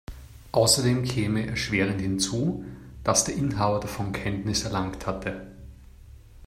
Außerdem käme erschwerend hinzu, dass der Inhaber davon Kenntnis erlangt hatte.